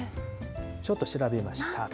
ちょっと調べました。